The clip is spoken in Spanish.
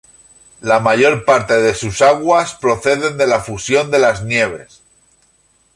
La mayor parte de sus aguas proceden de la fusión de las nieves.